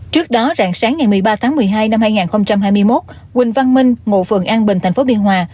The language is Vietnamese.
trước đó rạng sáng ngày một mươi ba tháng một mươi hai năm hai nghìn hai mươi một quỳnh văn minh ngụ phường an bình tp biên hòa